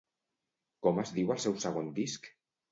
Com es diu el seu segon disc?